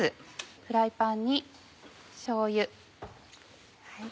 フライパンにしょうゆ。